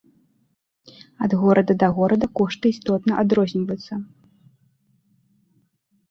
Ад горада да горада кошты істотна адрозніваюцца!